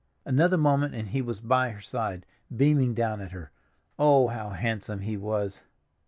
Another moment and he was by her side, beaming down at her. Oh, how handsome he was!